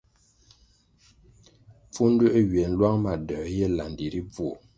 Pfunduē ywiè nlwang ma doē ye landi ri bvuo.